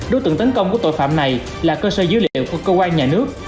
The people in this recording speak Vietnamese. đối tượng tấn công của tội phạm này là cơ sở dữ liệu của cơ quan nhà nước